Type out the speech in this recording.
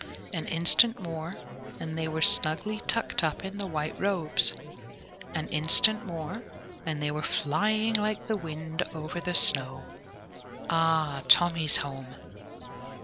An instant more, and they were snugly tucked up in the white robes an instant more, and they were flying like the wind over the snow. Ah! Tommy's home.